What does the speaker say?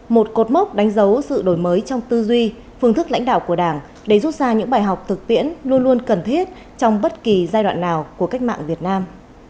một cột mốc đánh dấu sự đổi mới trong tư duy phương thức lãnh đạo của đảng để rút ra những bài học thực tiễn luôn luôn cần thiết trong bất kỳ giai đoạn nào của cách mạng việt nam